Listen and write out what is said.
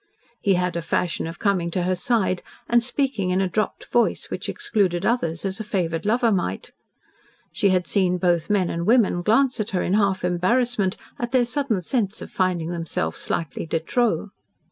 He had a fashion of coming to her side and speaking in a dropped voice, which excluded others, as a favoured lover might. She had seen both men and women glance at her in half embarrassment at their sudden sense of finding themselves slightly de trop.